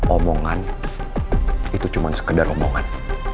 omongan itu cuma sekedar omongan